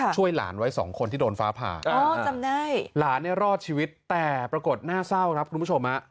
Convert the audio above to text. ช่วยหลานไว้สองคนที่โดนฟ้าผ่าจำได้หลานเนี่ยรอดชีวิตแต่ปรากฏน่าเศร้าครับคุณผู้ชมฮะ